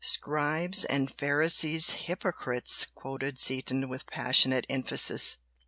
"'Scribes and Pharisees, hypocrites!'" quoted Seaton with passionate emphasis.